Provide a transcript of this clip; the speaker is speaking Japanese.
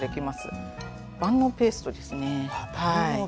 あっ万能ペーストです。